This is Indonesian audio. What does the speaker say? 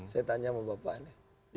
saya tanya sama bapak ini